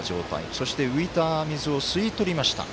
そして浮いた水を吸い取りました。